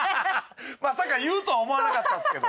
まさか言うとは思わなかったですけど。